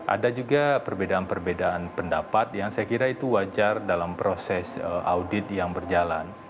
ada juga perbedaan perbedaan pendapat yang saya kira itu wajar dalam proses audit yang berjalan